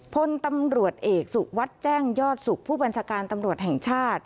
พลตำรวจเอกสุวัสดิ์แจ้งยอดสุขผู้บัญชาการตำรวจแห่งชาติ